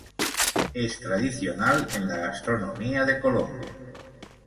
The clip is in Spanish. Es tradicional en la gastronomía de Colombia.